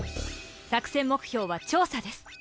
作戦目標は調査です。